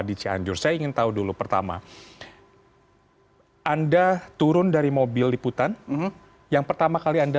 di cianjur saya ingin tahu dulu pertama anda turun dari mobil liputan yang pertama kali anda